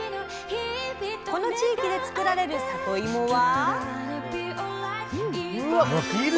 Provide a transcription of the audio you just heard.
この地域で作られるさといもは？